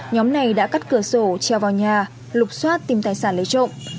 nhóm này đã cắt cửa sổ treo vào nhà lục xoát tìm tài sản lấy trộm